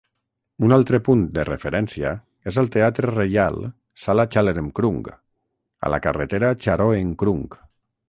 Un altre punt de referència és el Teatre Reial Sala Chalermkrung a la carretera Charoen Krung.